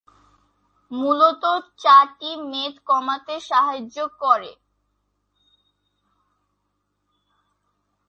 মূলত চা টি মেদ কমাতে সাহায্য করে।